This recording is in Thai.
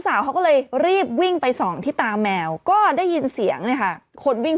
สาวเขาเลยรีบวิ่งไป๒ที่ตามแมวก็ได้ยินเสียงค่ะคนวิ่ง